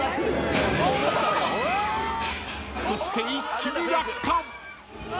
［そして一気に落下］